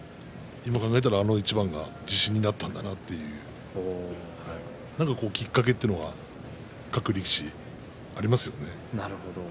今考えてみればあの一番が自信になったのかなと何かきっかけというのは各力士ありますよね。